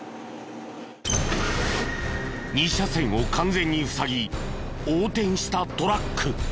二車線を完全に塞ぎ横転したトラック。